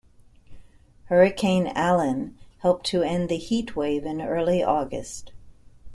Hurricane Allen helped to end the heat wave in early August.